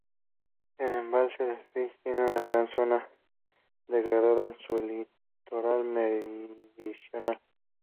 El embalse de Flix tiene una gran zona degradada en su litoral meridional.